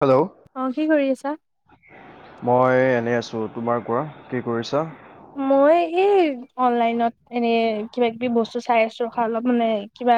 Hello! অ কি কৰি আছা? মই এনে আছোঁ। আছোঁ, তোমাৰ কোৱা কি কৰিছা? মই এই অনলাইনত এনে কিবা কিবি বস্তু চাই আছো অলপ মানে কিবা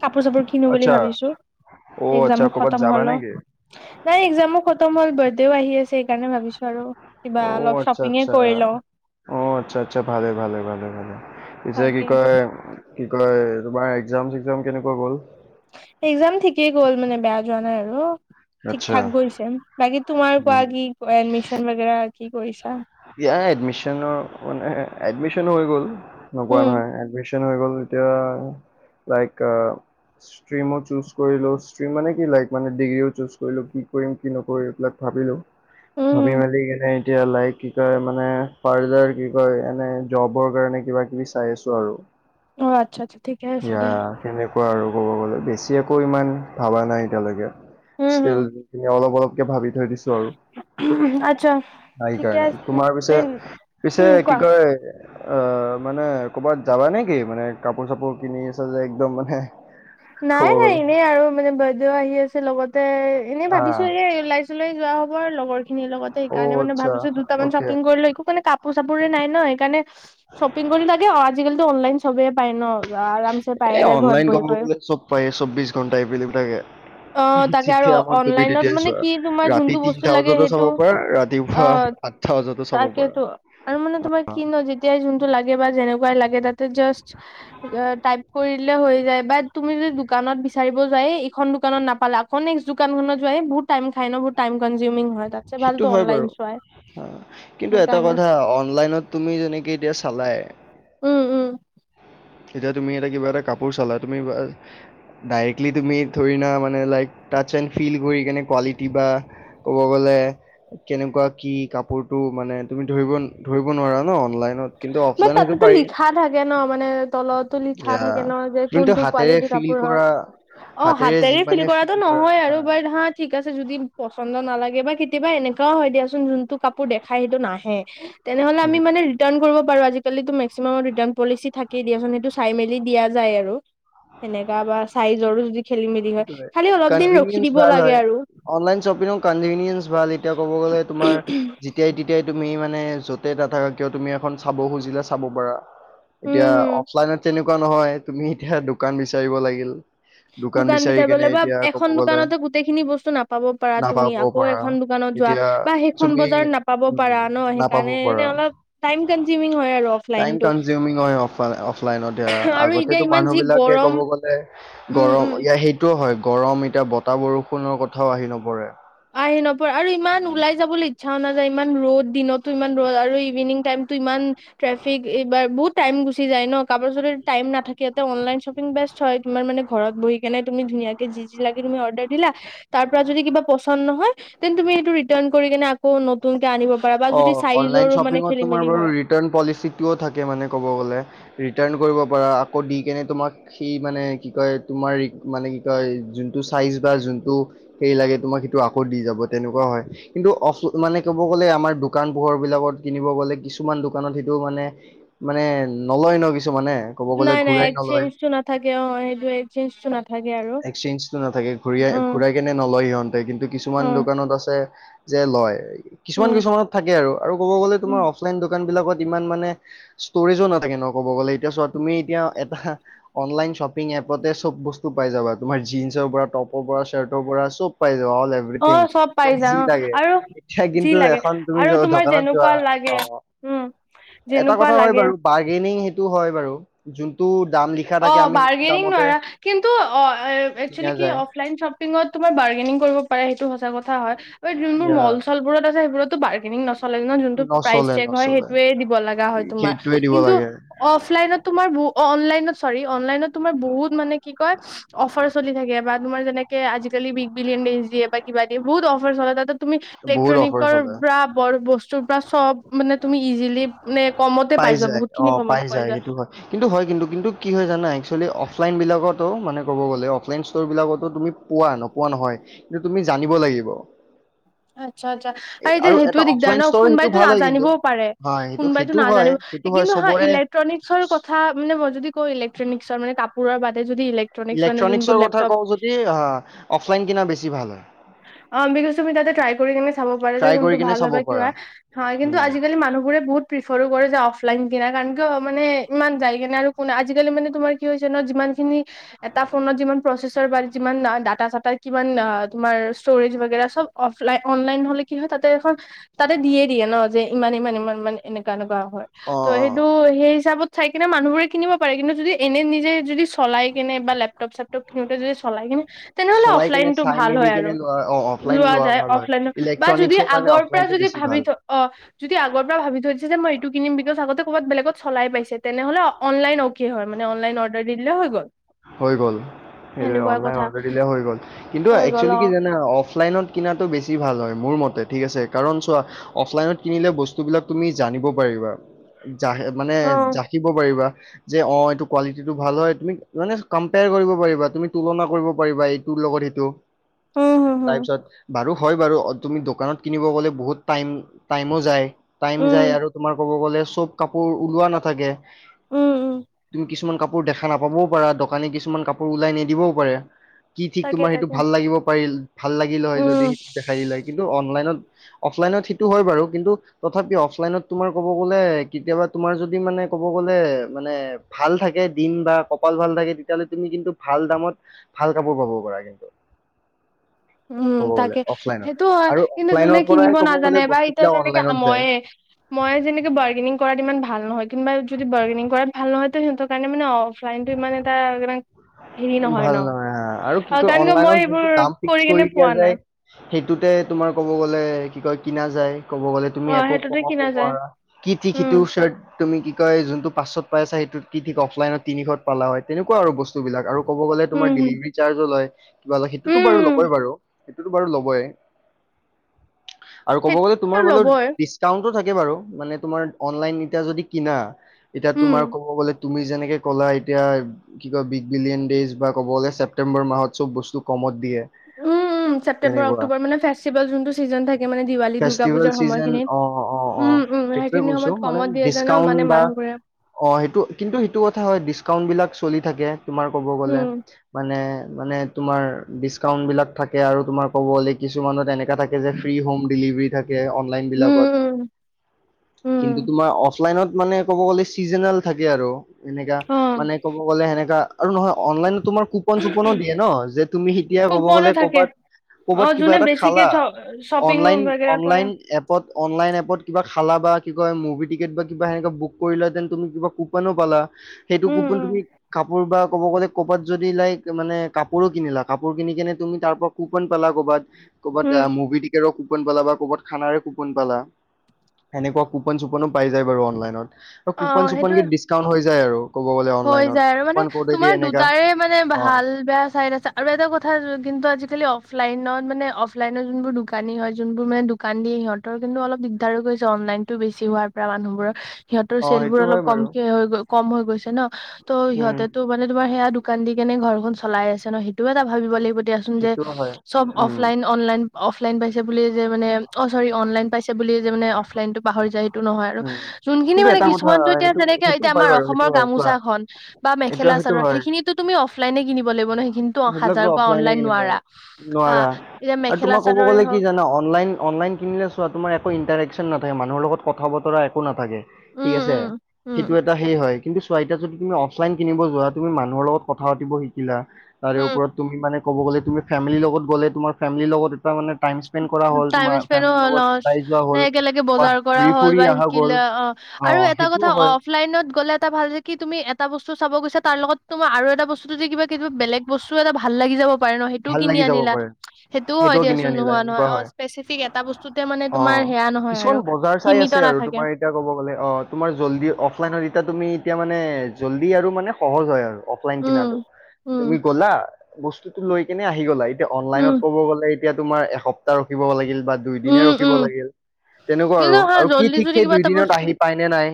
কাপোৰ চাপোৰ কিনো বুলি আচ্ছা ভাবিছো। অ আচ্ছা এক্জামো ক'বাত খতম যাবা হল ন নেকি নাই এক্সামো খতম ম বাৰ্থডেও আহি আছে সেইকাৰণে ভাবিছো আৰু কিবা অলপ আচ্ছা শ্বপিঙে অ'। আচ্ছা কৰি লওঁ অ আচ্ছা আচ্ছা ভালে ভালে ভালে ভালে পিছে কি তাকে কয় কি কয়? তোমাৰ এক্জাম চ্জাম কেনেকুৱা গ'ল? এক্জাম ঠিকেই গ'ল মানে বেয়া যোৱা নাই আৰু। ঠিক আচ্ছা থাক গৈছে বাকী তোমাৰ কোৱা কি এডমিচন বাগাৰা ইয় এডমিশনৰ মানে এডমিশন হৈ গল। নকোৱা উম নহয় এগভেচন হৈ গ'ল এতিয়া লাইক আহ। ষ্ট্ৰীমো চুজ কৰিলোঁ, ষ্ট্ৰীম মানে কি লাইক মানে ডিগ্ৰীও চুজ কৰিলোঁ কি কৰিম কি নকৰিম এবিলাক ভাবিলো উম হম ভাবি মেলি কেনে এতিয়া লাইক কি কয় মানে ফাৰ্দাৰ কি কয় এনে জবৰ কাৰণে কিবা কিবি চাই আছো আৰু। অ আচ্ছা আচ্ছা ঠিকে আছে এয়া দিয়া সেনেকুৱা আৰু। বেছি একো ইমান ভবা নাই এতিয়ালৈকে উম ষ্টিল হম অলপ অলপ কে ভাবি থৈ দিছোঁ আৰু। আচ্ছা ঠিকে সেইকাৰণে আছে তোমাৰ এ পিছে পিছে উম কি কোৱা কয় আহ মানে ক'বাত যাবা নেকি মানে কাপোৰ চাপোৰ কিনি আছ যে একদম মানে ক'ব নাই নাই গ'লে এনেই আৰু মানে বাইদেউ আহি আছে লগতে এনেই আহ ভাবিছো এ ওলাইছিলো এই যোৱা হ'ব আৰু লগৰ খিনিৰ লগতে অ সেইকাৰণে মানে আচ্ছা ভাবিছো দুটামান অকে শ্বপিং কৰি লৈ একো মানে কাপোৰ চাপোৰে নাই। ন সেইকাৰণে শ্বপিং কৰি লাগে আজিকালি অনলাইন চবেইে পায় ন। আৰাম পাই এ যায় ঘৰত অনলাইন বহি ক'ব বহি। চব পায় চৌ্ববিশ ঘণ্টা এইবিলিলাকে। অ তাকে আৰু যেতিয়া মন তুমি অনলাইনত তেতিয়াই মানে চোৱা কি তোমাৰ ৰাতি যোনটো বস্তু তিনটা লাগে বজাতো চাব সেইটো পাৰা ৰাতিপুৱা অ আঠটা বজাতো চাব পাৰা তাকেতো আৰু মানে তোমাৰ কি ন যেতিয়াই জোনটো লাগে বা যেনে লাগে তাতে জাষ্ট টাইপ কৰি দিলে হৈ যায় বাত তুমি যদি দোকানত বিচাৰিব যোৱা এইখন দোকানত নাপালে আক নে্ দোকানত যোৱাই বহুত টাইম খাই ন বহুত টাইম কনজিউমিং হয়। তাতছে সেইটো ভালতো হয় অনলাইন চোৱাই বাৰু কিন্তু এটা সেইকাৰণে কথা অনলাইনত তুমি যেনেকে এতিয়া। চালায়। উম উম। এতিয়া তুমি এটা কিবা এটা কাপোৰ চলা তুমি ডাইৰেক্টলি তুমি ধৰি না মানে লাইক টাচ এণ্ড ফিল কৰি কেনে কোৱালিটি বা ক'ব গ'লে কেনেকুৱা কি কাপোৰতটো মানে তুমি ধৰিব ধৰিব নোৱাৰা ন অনলাইন। মান তাতেতো লিখা থাকে ন মানে তলত লিখা ইয়া থাকে ন যে যোনটো কোনটো হাতেৰে কোৱালিটিৰ ফিল কাপোৰ হয়। কৰা অ হাতেৰে ফিল কৰাটো নহয় আৰু বাৰ হা ঠিক আছে যদি পচন্দ নালাগে বা কেতিয়াবা। হয় দিয়া চোন যোনটো কাপোৰ দেখাই সেইটো নাহে। হা বাৰু আজিকালি ত মেক্সিমামৰ তহ ৰিটাৰ্ণ পলিচি থাকে দিয়া চোন সেইটো চাই মেলি দিয়া যায় আৰু। সেনেকা বা চাইজৰো যি সেইটো কনভিনিয়েস ভাল লাগে হয়। আৰু অনলাইন শ্বপিঙৰ কনভিনিয়েন্ঞ্চ ভাল এতিয়া ক'ব গলে তোমাৰ যেতিয়াই তেতিয়াই তুমি মানে য'তেই নাথাকক কিয় তুমি এখন চাব খুজিলে চাব পাৰা। উম এতিয়া হম অফলাইনত তেনেকুৱা নহয় তুমি এতিয়া দোকান বিচাৰিব লাগিল। দোকান বিচাৰি বিচাৰিবলে কেনে বা এতিয়া কব এখন গলে দোকানতে গোটেইখিনি বস্তু নাপাব পাৰা তুমি নাপাব আকৌ পৰা। এখন দোকানত যোৱা এতিয়া বা সেইখন তুমি বজাৰত নাপাব উম পাৰা ন নাপাব সেইকাৰণে এনে পাৰা। অলপ টাইম কনজিউমিং হয় আৰু টাইম অফলাইনটো কনজিউমিং হয় অ অফলাইনত আৰু এতিয়া আগতেো ইমান মানুহ যি বিলাকে গৰম ক'ব গলে উম গৰম উম ইয়াৰ সেইটোও হয় গৰম এতিয়া বতাহ বৰষুণৰ কথাও আহি নপৰে। আহি নপৰে আৰু ইমান উম, ওলাই যাবলৈ ইচ্ছাও নাযায় ইমান ৰ'দ দিনতো ইমান ৰ'দ আৰু ইভিনিং টাইম তো ইমান ট্ৰেফিক এইবাৰ বহুত টাইম গুচি যায় নে কাৰবাৰ যদি টাইম নাথাকে তে অনলাইন চ বেস্ট হয় তোমাৰ মানে ঘৰত বহি কেনে তুমি ধোনিয়া যি যি লাগে তুমি অৰদাৰ দিলা। তাৰ পৰা যদি কিবা পচ [unintelligible] নহয় তেন তুমি এইটো ৰিতাৰন কৰি কেনে আক অ' অনলাইন শ্বপিঙত খেলি তোমাৰ মেলি বাৰু হয় ৰিটাৰ্ণ পলিচিটোও থাকে মানে ক'ব গ'লে। ৰিটাৰ্ণ কৰিব পাৰা আকৌ দি কেনে তোমাক সেই মানে কি কয় তোমাৰৰি মানে কি কয় যোনটো যোনটো ল তোমাক সেইটো আকৌ দি যাব তেনেকুৱা হয় কি ম কব গলে আমাৰ দোকান পোহৰ বিলাকত কিনিব গ'লে কিছুমান দোকানত সেইটো মানে মানে নলয় ন কিু নাই নাই একচেঞ্জটো না থাকে অ সেইটো একচেঞ্জটো না থাকে এক্সচেঞ্জটো নাথাকে ঘূৰা ঘূৰাই কেনে নলয় সিহঁতে কিন্তু অ কিছুমান দোকানত আছে যে লয় কিছুমান উম কিছুমানত থাকে আৰু আৰু ক'ব গলে উম তোমাৰ অফলাইন দোকান বিলাকত সিমান মানে ষ্টৰেজ নাথাকে ন কব গ'লে এতিয়া চোৱা তুমি এতিয়া এটা অনলাইন চ্চপিং এ এপতে চব বস্তু পাই যাবা তুমাৰ জিন্ৰ পৰা টপৰ পৰা চাৰ্টৰ পৰা চব পাই যাব অল অ এভৰিথিং চব পাই তুমাক যা যি অ লাগে আৰু এতিয়া যি কিন্তু লাগে এখন তুমি আৰু যদি তোমাৰ দকানত যোৱা যেনেকুৱা লাগে উম এটা যেনেকুৱা কথা হয় লাগে বাৰু বাৰ্গেনিং সেইটো হয় বাৰু যোনটো দাম লিখা অ থাকে আমি সেইটো বাৰ্গেনিং দামতে নোৱাৰা কিন্তু অ কিনা একচুৱেলী কি অফলাইন শ্বপিঙত তোমাৰ বাৰগেং কৰিব পাৰে সেইটো সঁচা হয় যোনবোৰ যায় মল চল বোৰত আছে সেইবোৰতো বাৰ্গেনিং নচলে ন যোনটো প্ৰাইচ নচলে চেক হয় নচলে সেইটোৱে দিব লগা হয় তোমাৰ সেইটোৱে দিব কিন্তু, লাগে অফলাইনত তোমাৰ অনলাইনত চৰি অনলাইনত তোমাৰ বহুত মানে কি কয় অফাৰ চলি থাকে বা তোমাৰ যেনেকে বিক বিলিয়ন দিয়ে বা কিবা কিবি বহুত অফাৰ চলে তাত তুমি বহুত অফাৰ ইলেক্ট্ৰনিকৰ চলে পৰা বৰ বস্তুৰ পৰা চব মানে তুমি ইজিলি মানে কমতে পাই যোৱা যায় অ বহুতখিনি কমত পাই যোৱা যায় সেইটো হয় কিন্তু হয় কিন্তু কিন্তু কি হয় জানা একসুৱেলি অফলাইনবিলাকতো মানে ক'ব গ'লে অফলাইন ষ্ট'ৰবিলাকতো তুমি পোৱা নপোৱা নহয় কিন্তু তুমি জানিব লাগিব আচ্ছা আচ্ছা আৰু এ- এতিয়া এটা সেইটোয়ে দিগদাৰ অফলাইন ন ষ্ট'ৰ সেইটো কোনোবাইতো ভাল হয় কিন্তু নাজানিব হয় সেইটো সেইটো হয় সেইটো [unintelligible] হয় কিন্তু হা চবৰে ইলেকট্ৰনিক্সৰ কথা মানে মই যদি কওঁ ইলেকট্ৰনিক্সৰ মানে কাপোৰ বাদে যদি ইলেক্ট্ৰনিকছ মানে যোনবোৰ ইলেক্ট্ৰনিকৰ লেপটপ কথা কওঁ যদি অফলাইন কিনা বেছি ভাল হয় অ বিকজ তুমি তাতে ট্ৰাই কৰি কেনে চাব পাৰো যে ট্ৰাই কৰি যোনটো কিনে ভাল হয় চাব বা কিবা পাৰা হয় কিন্তু উম আজিকালি মানুহবোৰে বহুত প্ৰিফাৰো কৰে যে অফলাইন [unintelligible] কাৰণ কিয় মানে ইমান যাই কিনে আৰু কোনে আজিকালি মানে তোমাৰ কি হৈছে ন যিমান খিনি এ তোমাৰ যিমান প্ৰচেছৰ বাৰে যিমান দাদা চাতাৰ কিমান তোমাৰ ষ্টৰেজ বগেৰা চব অফলন অনলাইন হলে কি হয় তাতে এখন তাতে দিয়ে দিয়ে ন ইমান ইমান ইমান মানে এনেকুৱা এনেকুৱা হয় অ ত অ সেইটো সেই হিচাপত চাই কিনে মানুহবোৰে কিনিব পাৰে কিন্তু যদি এনে নিজে যদি চলাই কেনে বা লেপটপ চেপটপ কিনোতে যদি চলাই কিনে তেনেহ'লে চলাই কিনে অফলাইনটো চা। ভাল হয় আৰু লোৱা যায় হয় অফলাইন বা যদি ইলেক্ট্ৰনিকছৰ কাৰণে আগৰ পৰা অফলাইনটো যদি বেছি ভাবি ভাল থ অ যদি আগৰ পৰা ভাবি থৈ দিছে যে মই এইটো কিনম বিকজ আগতে ক'ৰবাত বেলেগত চলাই পাইছে তেনেহ'লে অনলাইন কি হয় মানে অনলাইন অৰ্ডাৰ দিলে হৈ গ'ল। হৈ গল এই সেনেকুৱা অনলাইন কথা অৰ্ডাৰ দিলে হৈ গ'ল কিন্তু হৈ এইটো গ'ল একচুৱেলি অ কি জানা অফলাইনত কিনাাতটো বেছি ভাল হয়। মোৰ মতে ঠিক আছে কাৰণ চোৱা অফলাইনত কিনিলে বস্তুবিলাক তুমি জানিব পাৰিবা। জ মানে অ জাকিব পাৰিবা। যে অ এইটো কোৱালিটিটো ভাল হয় তুমি মানে কম্পেয়াৰ কৰিব পাৰিবা তুমি তুলনা কৰিব পাৰিবা এইটো লগত সেইটো উম হম হম তাৰপিছত বাৰু হয় বাৰু তুমি দোকানত কিনিব গ'লে বহুত টাইম টাইমো যায়। টাইম উম যায় আৰু তোমাৰ ক'ব গ'লে চব কাপোৰ ওলোৱা নাথাকে। উম উম তুমি কিছুমান কাপোৰ দেখা নাপাবও পাৰো দোকানী কিছুমান কাপোৰ ওলাই নিদিবও পাৰে। কি ঠিক তাকে তোমাৰ সেইটো তাকে ভাল লাগিব পাৰিল ভাল লাগিল হয় যদি উম সেইটো দেখাই দিলে কিন্তু অনলাইনত অফলাইনত সেইটো হয় বাৰু কিন্তু তথাপিও অফলাইনত তোমাৰ ক'ব গ'লে কেতিয়াবা তুমাৰ যদি মানে ক'ব গ'লে মানে ভাল থাকে দিন বা কপাল ভাল থাকে তেতিয়াহ'লে তুমি কিন্তু ভাল দামত ভাল কাপোৰ পাব পাৰা কিন্তু উম ক'ব গ'লে তাকে অফলাইনৰ সেইটো হয় আৰু কিন্তু যোনে অফলাইনৰ পৰাই কিনিব ক'ব গ'লে নাজানে বা এতিয়া বস্তুবিলাক যেনেকে অনলাইনত যায় ময়েই মই যেনেকে বাৰ্গেনিং কৰাত ইমান ভাল নহয় কোনবা যদি বাৰ্গেনিং কৰাত ভাল নহয় তো সিহঁতৰ কাৰণে মে অফলাইনতটো ইমান এটা হেৰি নহয় ভাল ন হা আৰু অ কি কয় কাৰণ ক মই অনলাইনত যোনটো এইবোৰ দাম ফিক্স কৰি কেনে দিয়া পোৱা নাই যায় সেইটোতে তোমাৰ ক'ব গ'লে কি কয় কিনা যায়। ক'ব গ'লে তুমি অ একো সেইটোতে কমাব কিনা যায় নোৱাৰা কি থিক সিটো উম চাৰ্ট। তুমি কি কয় যোনটো পাছত পাইছা সেইটোত কি ঠিক অফলাইনত তিনিশত পালা হয় তেনেকুৱা আৰু বস্তু বিলাক। ক'ব গ'লে তোমাৰ উম হম ডেলিভাৰী চাৰ্জ লয়, কিবা লয় সেইটোতো বাৰু উম উম ল'ই বাৰু। সেইটো বাৰু লবই আৰু ক'ব গ'লে তোমাৰ সেইটো মানে ল'বই ডিচকাওণ্টো থাকে। বাৰু মানে তোমাৰ অনলাইন এতিয়া যদি কিনা এতিয়া উম তোমাৰ ক'ব গলে! তুমি যেনেকে ক'লা এতিয়া কি কয় বিগ বিলিয়ন ডেইজ বা ক'ব'লে! ছেপটেম্বৰ মাহত চব বস্তু কমত দিয়ে। উম উম ছেপ্তেম্বৰ তেনেকুৱা অক্টোবৰ মানে ফেষ্টিভেল যোনটো ছিজন থাকে দেৱালীৰ, দূৰ্গা ফেষ্টিভেল পূজাৰ চিজন অ অ সময়খিনিত। অ উম উম সেইটোৱে সেইখিনি কৈছো সময়ত মানে কমত দিয়ে যে ন ডিচকাউন্ট মানে বা মানুহবোৰে! অ সেইটো কিন্তু সেইটো কথা হয় ডিচ্কাউন্ট বিলাক চলি থাকে তোমাৰ ক'ব গ'লে উম মানে। মানে তোমাৰ ডিচকাউন্ট বিলাক থাকে আৰু তোমাৰ ক'ব'লে কিছুমানত তেনেক! হমিভাৰ থাকেলন উম বিলাকত উম উম কিুমাৰ অফলাইনত মানে ক'ব গ'লে চিজনেল থাকে আৰু এনেকা অ মানে ক'ব গ'লে সেনেকা আৰু নহয় অনলাইনত তোমাৰ কুপন চুপনো দিয়ে ন যে তুমি এতিয়া ক'ব কুপনো গ'লে থাকে ক'ৰবাত অ ক'বাত কিবা যোনে এটা বেছিকে খালা শ্বপিং অনলাইন বাগেৰা কৰে অনলাইন এপত অনলাইন এপত কিবা খালা বা কয় মুভি টিকেট বা কিবা সনেকুৱৈ বুক কৰিলেহঁতেন তুমি কিবা কুপনো পালা সেইটো উম কুপন উম তুমি কাপোৰ বা ক'ব গ'লে ক'ৰবাত যদি লাইক মানে কাপোৰো কিনিলা কাপোৰ কিনি কিনে তুমি তাৰ পৰা কুপন পালা কৰ'বাত ক'ৰবাত উম অ মুভি টিকেটৰ কুপন পালা বা ক'ৰবাত খানাৰে কুপন পালা এনেকুৱা কুপন চুপনো পাই যায় বাৰু অনলাইনত আৰু অ কুপন চুপন সেইটোয়ে দি ডিচকাউন্ট হৈ যায় আৰু ক'ব গলে হৈ অনলাইনত যায় আৰু মানে কুপন ক'ডেদি তোমাৰ এনেকা দুটাৰে মানে অ ভাল বেয়া চাইড আছে আৰু এটা কথা কিন্তু আজিকালি অস অফলাইনত মানে অফলাইনত যোনবোৰ দোকানী হয় যোনবোৰ মানে দোকান দিয় সিহঁতৰ কিন্তু অলপ দিগদাৰো গৈছে অন অনলাইনতো বেছি হোৱাৰ পৰা মানুহবোৰৰ [unintelligible] সিহঁতৰ অ চেলবোৰ সেইটো অলপ হয় বাৰু কমকে হৈ কম হৈ গৈছে ন [unintelligible] ত উম সিহতে তো মানে তোমাৰ সেয়া দু কান্দি কেনে ঘৰখন চলাই আছে ন সেইটোও এটা ভাবিব লাগিব দেছুন যে সেইটো হয় চব উম অফলাইন অনলাইন অফলাইন পাইছে বুলি যে মানে অ' চৰি অনলাইন পাইছে বুলি যে মানে অফলাইনতটো পাহৰি যায় হেই টো নহয় আৰু উম যোনখিনি কিন্তু মানে এটা কথা কিছুমানতো এতিয়া সেইটো যেনেকে সেইটো এতিয়া হয় আমাৰ বাৰু সেইটো অসমৰ হয় চোৱা গামোচা বা এইটো মেখেলা সেইটো চাদৰ হয় সেইখিনিতো তুমি অফলাইনে কিনিব লাগিব ন' হেই কিন্তু হাজাৰ সেইবিলাকতো ক অফলাইনে অনলাইন কিনিব নোৱাৰা হা নোৱাৰা আৰু মেখেলা তোমাৰ ক'ব চাদৰে গ'লে কি হওক জানা অনলাইন, অনলাইন কিনিলে চোৱা তোমাৰ একো ইণ্টাৰেকশ্যন না মানুহৰ লগত কথা বতৰা একো নাথাকে ঠিক উম আছে, উম সেইটো উম এটা হেৰি হয় কিন্তু চোৱা এতিয়া যদি তুমি অফলাইন কিনিব যোৱা তুমি মানুহৰ লগত কথা পাতিব শিকিলা তাৰে ওপৰত তুমি মানে ক'ব গ'লে তুমি ফেমিলীৰ লগত গ'লে তোমাৰ ফেমিলীৰ লগত এটা মানে টাইম স্পেণ্ড কৰা উম হ'ল টাইম তোমাৰ, স্পেনো ফেমিলীৰ হ'ল লগত অ ওলাই যোৱা নে হ'ল একেলগে বা বজাৰ কৰা ঘূৰি হ'ল ফুৰি বা অহা গ'ল। শিকিলে অ অ আৰু এটা কথা সেইটোও হয় অফলাইনত গলে এটা ভাল যে কি তুমি এটা বস্তু চাব গৈছে তাৰ লগতো মই আৰু এটা বস্তু যে কিবা কিনো বেলেগ বস্তুও এটা ভাল লাগি যাব। [unintelligible] সেইটোও ভাল কিনি লাগি যাব আনিলা পাৰে সেইটোও হয় কিনি দিয়াচোন আনিলা নোহোৱাত এনেকুৱা হয় অ' স্পেছিফিক এটা বস্তুটে মানে অ তোমাৰ সেইয়া নহয় কিছুমান আৰু বজাৰ চাই সীমিত আছে আৰু নাথাকে। তোমাৰ এতিয়া ক'ব গ'লে অ তোমাৰ জল্দি অফলাইনৰ ইতা তুমি এতিয়া মানে জল্দি আৰু মানে সহজ হয় আৰু অফলাইন উম কিনাটো। উম তুমি গ'লা বস্তুটো লৈ কেনে আহি গ'লা, এতিয়া উম অনলাইনত ক'ব গ'লে এতিয়া তোমাৰ এসপ্তাহ ৰখিব লাগিল। বা দুই দিনে উম ৰখিব উম লাগিল তেনেকুৱা কিন্তু আৰু হা আৰু কি জল্দি ঠিক যদি সেই কিবা দুই এটা দিনত বস্তু আহি পাই নে নাই?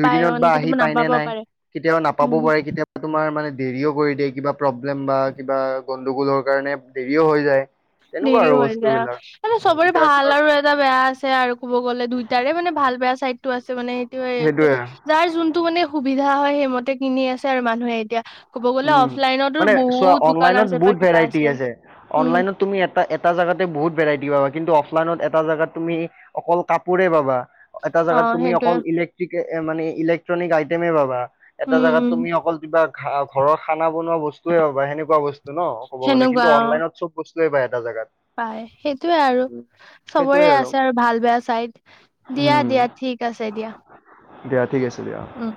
দুই দিনত অন বা আহি কেতিয়াবা পায়নে নাপাব নাই পাৰে কেতিয়াও নাপাব উম পাৰে কেতিয়াাবা তোমাৰ মানে দেৰিও কৰি দিয়ে কিবা প্ৰব্লেম বা কিবা গণ্ডগোলৰ কাৰণে দেৰিও হৈ যায় তেনেকুৱা দেৰি আৰু হৈ যায় বস্তুবিলাক মানে উম চবৰে এতিয়া ভাল তোমাৰ আৰু এটা বেয়া আছে আৰু ক'ব গ'লে দুইটাৰে মানে ভাল চাইদটো আছে মানে সেইটোয়ে যাৰ যোনটো সুবিধা সুবিধা হয় সেইমতে কিনি আছে আৰু মানুহে এতিয়া ক'ব গ'লে উম অফলাইনতো মানে চোৱা বহুত দোকান অনলাইনত আছে বা বহুত কিবা ভেৰাইটি আছে উম অনলাইনত তুমি এটা জোগাতে বহুত ভেৰাইটি পাবা কিন্তু অফলাইনত এটা জোগাত তুমি অকল কাপোৰে পাবা এটা অ জাগাত তুমি সেইটোয়ে অকল ইলেক্ট্ৰিক মান ইলেক্ট্ৰনিক আইটেমে পাবা এটা উম জোগাত উম তুমি অকল কিবা ঘা ঘৰৰ খানা বোৱা বস্তুৱে সেনেকুৱা বস্তু ন ক'ব গ'লে কিন্তু অনলাইনত চব বস্তুৱে পায় এটা জেগাত পাই সেইটোয়ে আৰু চবৰে আছে আৰু ভাল বেয়া চাইড দিয়া উম দিয়া ঠিক ঠিক আছে দিয়া দিয়া ঠিক আছে দিয়া উম